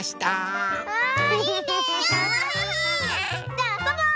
じゃああそぼう！